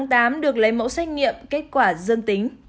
ngày ba mươi một tháng tám được lấy mẫu xét nghiệm kết quả dương tính